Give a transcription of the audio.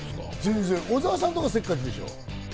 小澤さんとか、せっかちでしょう？